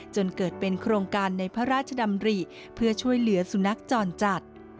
จนเกิดเป็นโครงการในพระราชดำริเพื่อช่วยเหลือสุนัขจรจัด